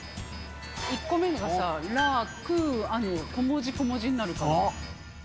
１個目のがさ、ラクーアの小文字小文字になるから。